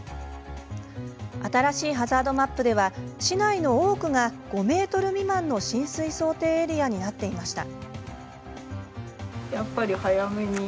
新しいハザードマップでは市内の多くが、５ｍ未満の浸水想定エリアになっていました。